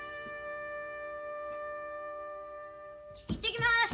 行ってきます！